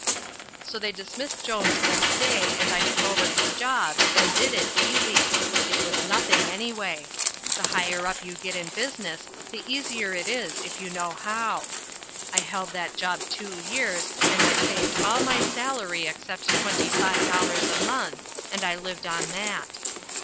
So they dismissed Jones next day and I took over his job and did it easy. It was nothing anyway. The higher up you get in business, the easier it is if you know how. I held that job two years, and I saved all my salary except twenty five dollars a month, and I lived on that.